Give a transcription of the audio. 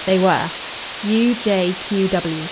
They were UJQW.